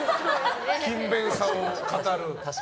勤勉さを語る。